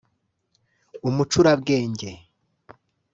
umucurabwenge